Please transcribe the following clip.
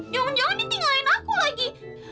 jangan jangan ditinggalin aku lagi